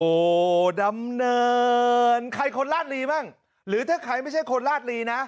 โอ้โหดำเนินใครคนลาดลีบ้างหรือถ้าใครไม่ใช่คนลาดลีนะ